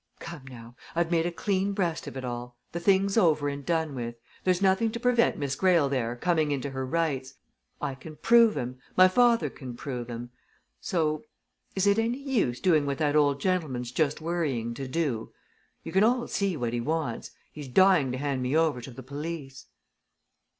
Come, now I've made a clean breast of it all. The thing's over and done with. There's nothing to prevent Miss Greyle there coming into her rights I can prove 'em my father can prove them. So is it any use doing what that old gentleman's just worrying to do? You can all see what he wants he's dying to hand me over to the police."